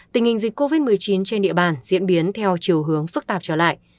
tình hình dịch covid một mươi chín trên địa bàn diễn biến theo chiều hướng phức tạp trở lại